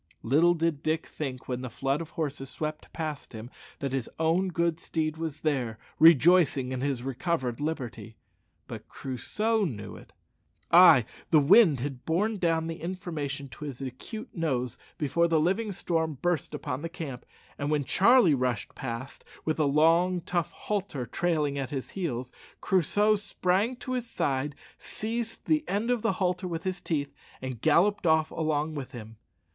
Little did Dick think, when the flood of horses swept past him, that his own good steed was there, rejoicing in his recovered liberty. But Crusoe knew it. Ay, the wind had borne down the information to his acute nose before the living storm burst upon the camp; and when Charlie rushed past, with the long tough halter trailing at his heels, Crusoe sprang to his side, seized the end of the halter with his teeth, and galloped off along with him.